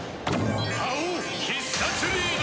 「刃王必殺リード！」